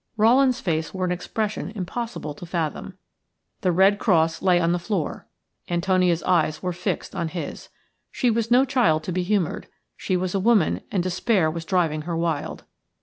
Rowland's face wore an expression impossible to fathom. The red cross lay on the floor; Antonia's eyes were fixed on his. She was no child to be humoured; she was a woman and despair was driving her wild.